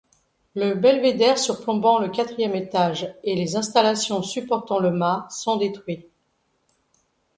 Le belvédère surplombant le quatrième étage et les installations supportant le mât sont détruits.